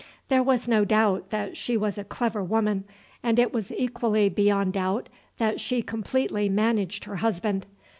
There was no doubt that she was a clever woman, and it was equally beyond doubt that she completely managed her husband.